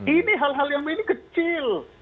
ini hal hal yang ini kecil